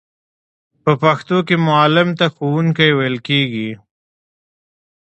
په پښتو کې معلم ته ښوونکی ویل کیږی.